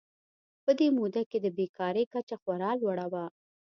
په دې موده کې د بېکارۍ کچه خورا لوړه وه.